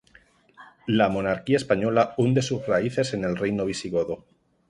La monarquía Española hunde sus raíces en el Reino Visigodo.